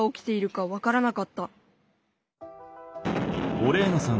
オレーナさん